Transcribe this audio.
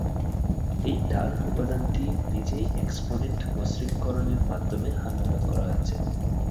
এই ঢাল উপাদানটি নিজেই এক্সপোনেন্ট মসৃণকরণের মাধ্যমে হালনাগাদ করা হয়েছে।